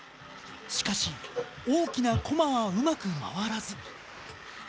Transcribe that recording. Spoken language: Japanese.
しかし大きなコマはうまく回らず。